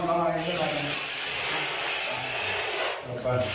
มานี่ลงขึ้นดินี่